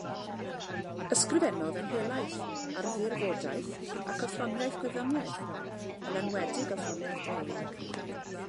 Ysgrifennodd yn helaeth ar ddirfodaeth ac athroniaeth gwyddoniaeth, yn enwedig athroniaeth bioleg.